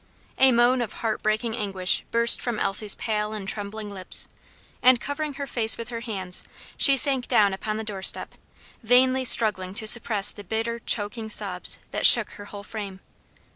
A moan of heart breaking anguish burst from Elsie's pale and trembling lips; and covering her face with her hands, she sank down upon the door step, vainly struggling to suppress the bitter, choking sobs that shook her whole frame.